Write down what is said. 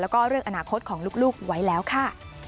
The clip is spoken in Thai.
แล้วก็เรื่องอนาคตของลูกไว้แล้วค่ะ